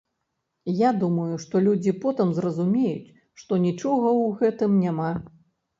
Я думаю, што людзі потым зразумеюць, што нічога ў гэтым няма.